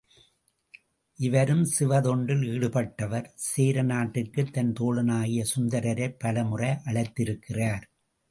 இவரும் சிவத்தொண்டில் ஈடுபட்டவர் சேர நாட்டிற்குத் தன் தோழனாகிய சுந்தரரைப் பலமுறை அழைத்திருக்கிறார்.